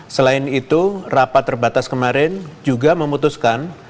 selain itu rapat terbatas kemarin juga memutuskan